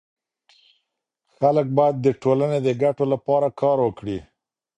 خلګ باید د ټولني د ګټو لپاره کار وکړي.